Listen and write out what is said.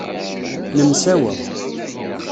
Nemsawa.